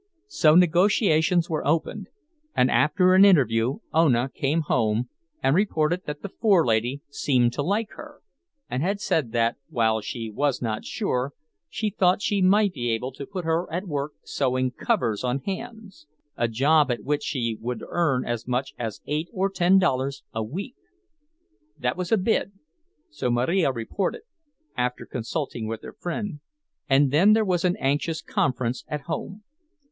So negotiations were opened, and after an interview Ona came home and reported that the forelady seemed to like her, and had said that, while she was not sure, she thought she might be able to put her at work sewing covers on hams, a job at which she would earn as much as eight or ten dollars a week. That was a bid, so Marija reported, after consulting her friend; and then there was an anxious conference at home.